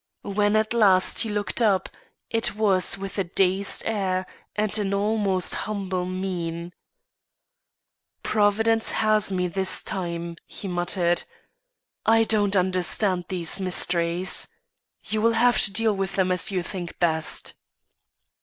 When at last he looked up, it was with a dazed air and an almost humble mien: "Providence has me this time," he muttered. "I don't understand these mysteries. You will have to deal with them as you think best."